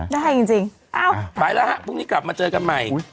ได้จริงอ้าวไปแล้วฮะพรุ่งนี้กลับมาเจอกันใหม่